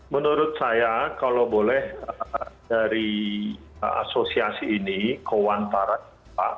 menurut saya kalau boleh dari asosiasi ini kowan parat pak